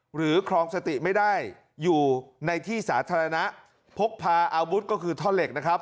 ครองสติไม่ได้อยู่ในที่สาธารณะพกพาอาวุธก็คือท่อเหล็กนะครับ